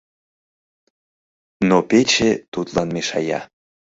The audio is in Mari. Но пече тудлан мешая.